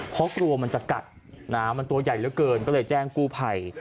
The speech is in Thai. เพราะกลัวมันจะกัดน้ำมันตัวใหญ่เหลือเกินก็เลยแจ้งกู้ภัย